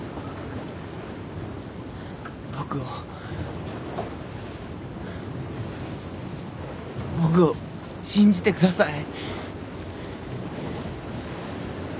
僕を僕を信じてください。